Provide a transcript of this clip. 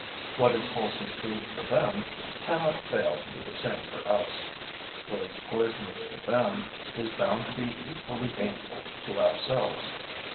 What is wholesome food for them cannot fail to be the same for us; what is poisonous to them is bound to be equally baneful to ourselves.